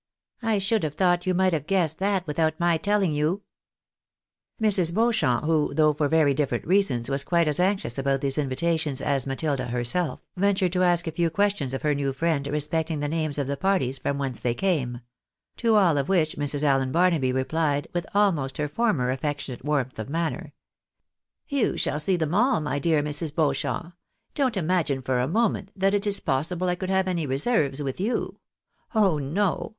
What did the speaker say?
I should have thought you might have guessed that without my telling you." Mrs. Beauchamp, who, though for very different reasons, was quite as anxious about these invitations as Matilda herself, ventured to ask a few questions of her new friend respecting the names of the parties from whence they came ; to all of which Mrs. AUen Barnaby replied with almost her former affectionate warmth of manner —• "You shall see them all, my dear Mrs. Beauchamp. Don't imagine for a moment that it is possible I could have any reserves with you ! Oh no